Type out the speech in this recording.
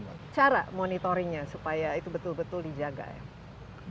bagaimana cara monitoringnya supaya itu betul betul dijaga ya